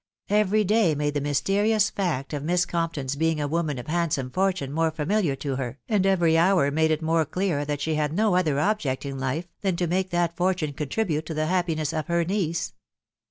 Every day mads tha mysterious fact of Mist Compura'a being a woman of hand some fortune more familiar to hear, and every hour mads it more clear that she had no other object in life than to make that fortune contribute to the happiness of her nieae.